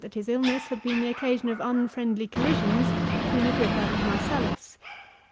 that his illness had been the occasion of unfriendly collisions between Agrippa and Marcellus.